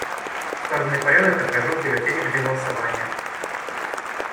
Указанный порядок отражен в бюллетенях для голосования.